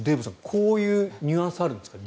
こういうニュアンスがあるんですか？